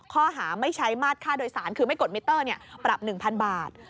ข้อหาไม่ใช้มาตรค่าโดยสารคือไม่กดมิเตอร์ปรับ๑๐๐บาท